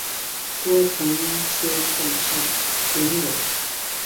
郭从谦本是伶人。